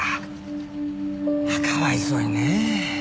かわいそうにねぇ。